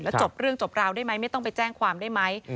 จบเรื่องจบราวได้ไหมไม่ต้องไปแจ้งความได้ไหม